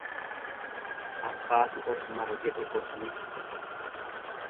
Abbaatu of mara jedhe bofni.